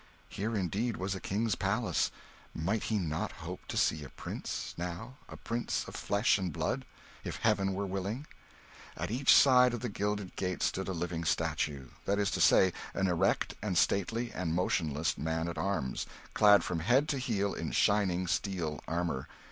Here, indeed, was a king's palace. Might he not hope to see a prince now a prince of flesh and blood, if Heaven were willing? At each side of the gilded gate stood a living statue that is to say, an erect and stately and motionless man at arms, clad from head to heel in shining steel armour.